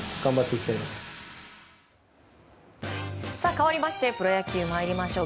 かわりましてプロ野球参りましょう。